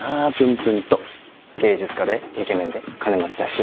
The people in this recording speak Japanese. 芸術家でイケメンで金持ちだし。